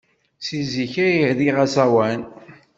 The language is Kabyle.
Seg zik ay riɣ aẓawan.